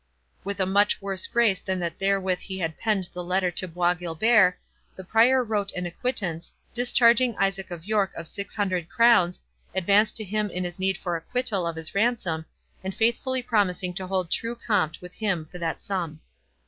With a much worse grace than that wherewith he had penned the letter to Bois Guilbert, the Prior wrote an acquittance, discharging Isaac of York of six hundred crowns, advanced to him in his need for acquittal of his ransom, and faithfully promising to hold true compt with him for that sum.